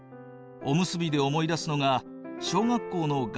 おむすびで思い出すのが小学校の学校行事。